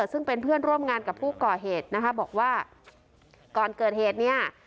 ซึ่งเป็นเพื่อนร่วมงานกับผู้ก่อเหตุนะคะบอกว่าก่อนเกิดเหตุเนี่ย